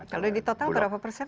kalau di total berapa persen